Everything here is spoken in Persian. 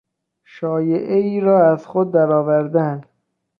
شایعهای را از خود درآوردن